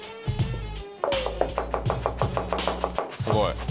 「すごい」